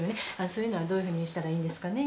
そういうのはどういうふうにしたらいいんですかね？